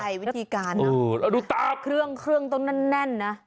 ใช่วิธีการอ่ะเออแล้วดูตามเครื่องตรงนั้นนะ